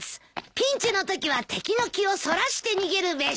ピンチのときは敵の気をそらして逃げるべし。